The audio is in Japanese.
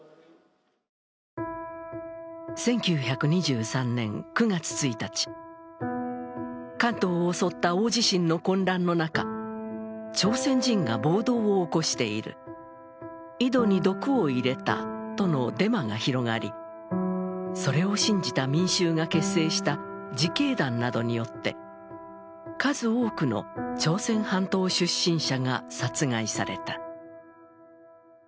１９２３年９月１日、関東を襲った大地震の混乱の中朝鮮人が暴動を起こしている、井戸に毒を入れたとのデマが広がり、それを信じた民衆が結成した自警団などによって数多くの朝鮮半島出身者が殺害された。